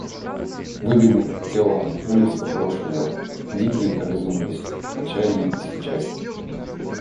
Выбегу, тело в улицу брошу я. Дикий, обезумлюсь, отчаяньем иссечась.